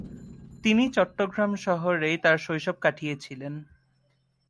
তিনি চট্টগ্রাম শহরেই তার শৈশব কাটিয়েছিলেন।